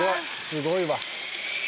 すごいわ。